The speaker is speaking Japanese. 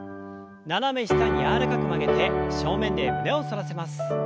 斜め下に柔らかく曲げて正面で胸を反らせます。